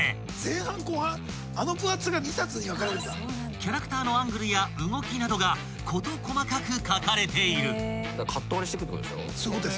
［キャラクターのアングルや動きなどが事細かくかかれている］